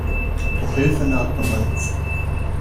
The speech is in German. Doch Hilfe naht bereits.